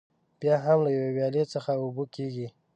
بیا هم له یوې ویالې څخه اوبه کېږي.